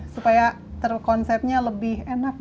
supaya konsepnya lebih enak